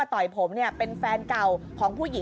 ตอนต่อไป